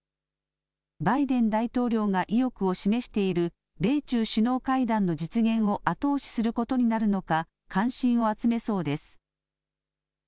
バイデン大統領が意欲を示している米中首脳会談の実現を後押しすることになるのか関心を集めそうです。